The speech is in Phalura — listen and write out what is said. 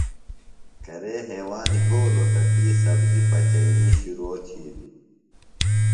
کرے ہیواند یھولوۡ تہ تی سبزیۡ پچئینی شرو تِھیلیۡ۔